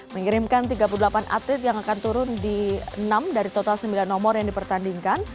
mengirimkan tiga puluh delapan atlet yang akan turun di enam dari total sembilan nomor yang dipertandingkan